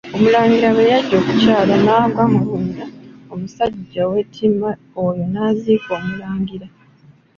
Omulangira bwe yajja okukyala n'agwa mu bunnya, omusajja ow'ettima oyo n'aziika Omulangira.